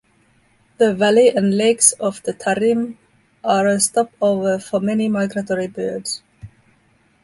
The valley and lakes of the Tarim are a stopover for many migratory birds.